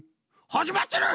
はじまってる！